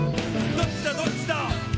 「どっちだどっちだ」